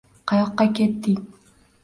“Qayoqqa ketding?